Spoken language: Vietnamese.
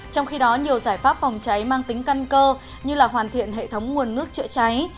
trong khi đó nhiều giải pháp phòng cháy mang tính căn cơ như hoàn thiện hệ thống nguồn nước chữa cháy